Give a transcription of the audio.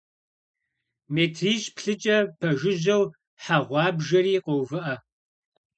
Метрищ-плӀыкӀэ пэжыжьэу хьэ гъуабжэри къоувыӀэ.